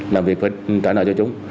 làm việc phải trả nợ cho chúng